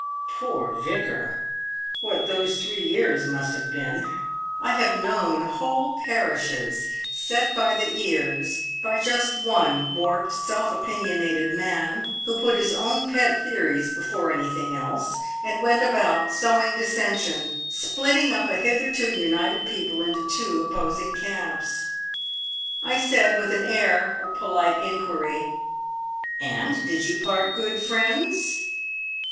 Poor Vicar! What those three years must have been! I have known whole parishes "set by the ears" by just one warped, self opinionated man, who put his own pet theories before anything else, and went about sowing dissension splitting up a hitherto united people into two opposing camps. I said, with an air of polite inquiry: "And did you part good friends?"